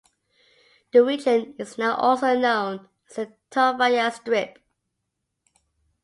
The region is now also known as the Tarfaya Strip.